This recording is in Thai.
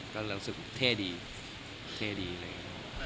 ก็เรารู้สึกเท่ดีเท่ดีเลย